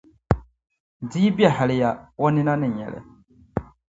di yi be haliya o nina ni nya li.